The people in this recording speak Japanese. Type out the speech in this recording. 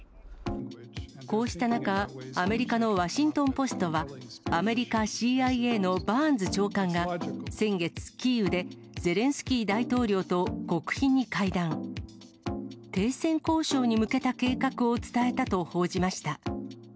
こうした中、アメリカのワシントンポストは、アメリカＣＩＡのバーンズ長官が、先月、キーウでゼレンスキー大統領と極秘に会談。停戦交渉に向けた計画を伝えたと報じました。